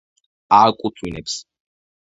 ააკუწვინებს